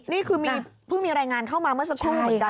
นี่คือพึ่งมีรายงานเข้ามาเมื่อสักครู่